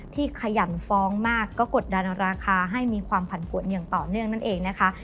ขยันฟ้องมากก็กดดันราคาให้มีความผันผวนอย่างต่อเนื่องนั่นเองนะคะ